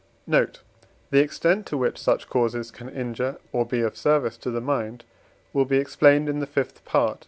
Note. The extent to which such causes can injure or be of service to the mind will be explained in the Fifth Part.